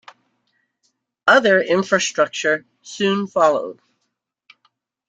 Other infrastructure soon followed.